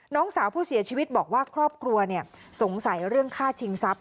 น้องสาวผู้เสียชีวิตบอกว่าครอบครัวสงสัยเรื่องฆ่าชิงทรัพย